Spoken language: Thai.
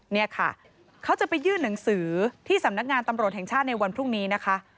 นี่ค่ะเขาจะไปยื่นหนังสือที่สำนักงานตำรวจแห่งชาติในวันพรุ่งนี้นะคะ